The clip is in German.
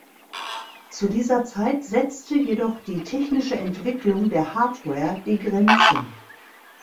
Zu dieser Zeit setzte jedoch die technische Entwicklung der Hardware die Grenzen.